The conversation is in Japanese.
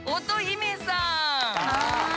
はい。